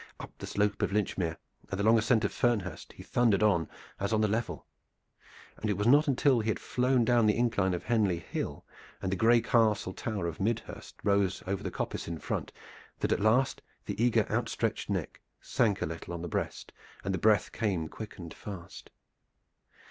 Up the slope of Linchmere and the long ascent of Fernhurst he thundered as on the level, and it was not until he had flown down the incline of Henley Hill, and the gray castle tower of Midhurst rose over the coppice in front, that at last the eager outstretched neck sank a little on the breast, and the breath came quick and fast.